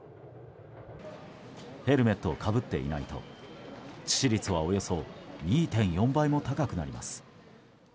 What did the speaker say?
ヘルメットをかぶっていないと致死率はおよそ２．４倍も高くなります。